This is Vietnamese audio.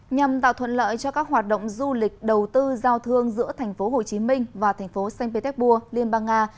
nhằm tạo thuận lợi cho các hoạt động du lịch đầu tư giao thương giữa thành phố hồ chí minh và thành phố saint petersburg liên bang nga